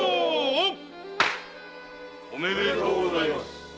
おめでとうございます。